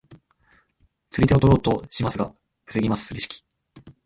釣り手を取ろうとしますが防ぎますレシキ。